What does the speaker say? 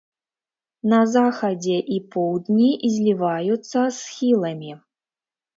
На захадзе і поўдні зліваюцца з схіламі.